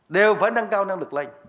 đều phải nâng cao năng lực lệnh